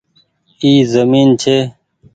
اي زمين ڇي۔